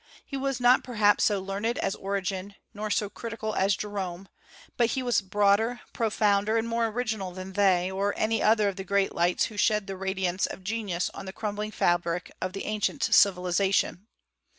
He was not perhaps so learned as Origen, nor so critical as Jerome; but he was broader, profounder, and more original than they, or any other of the great lights who shed the radiance of genius on the crumbling fabric of the ancient civilization.